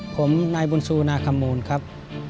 ผมนายบุญชูนาคมูลครับ